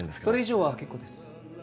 それ以上は結構です。